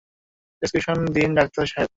Prescription দিন ডাক্তারসাহেব।